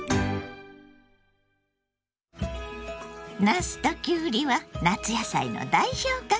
なすときゅうりは夏野菜の代表格。